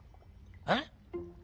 えっ？